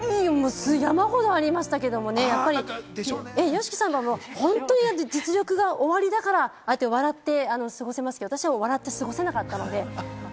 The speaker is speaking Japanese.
山ほどありましたけど、ＹＯＳＨＩＫＩさんはホントに実力がおありだから笑って過ごせますけど、私は笑って過ごせなかったので。